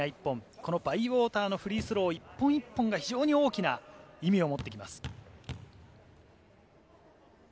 このバイウォーターのフリースロー、一本一本が非常に大きな意味をもってきます。